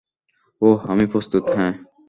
ওহ, আমি প্রস্তুত, - হ্যাঁ।